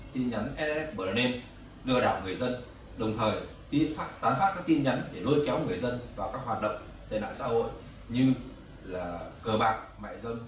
tin nhắn sms brand name lừa đảo người dân đồng thời tán phát các tin nhắn để lôi chéo người dân vào các hoạt động tên ảnh xã hội như là cờ bạc mại dân